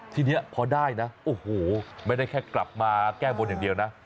ทีนี้พอได้นะโอ้โหไม่ได้แค่กลับมาแก้บนอย่างเดียวนะ